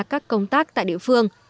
các công tác tại địa phương